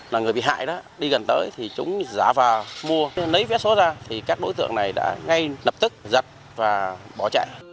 là người bị hại đó đi gần tới thì chúng giả vào mua lấy vé số ra thì các đối tượng này đã ngay lập tức giật và bỏ chạy